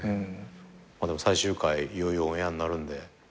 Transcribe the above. でも最終回いよいよオンエアになるんで。